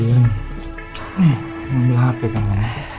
emang belah api kamu